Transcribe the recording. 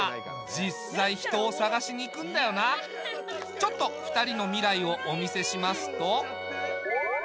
ちょっと２人の未来をお見せしますと。